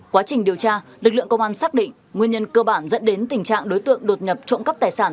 quá trình điều tra lực lượng công an xác định nguyên nhân cơ bản dẫn đến tình trạng đối tượng đột nhập trộm cắp tài sản